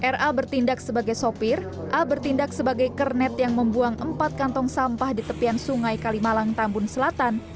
ra bertindak sebagai sopir a bertindak sebagai kernet yang membuang empat kantong sampah di tepian sungai kalimalang tambun selatan